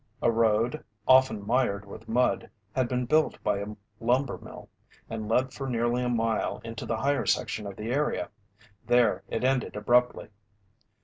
A road, often mired with mud, had been built by a lumber mill, and led for nearly a mile into the higher section of the area. There it ended abruptly.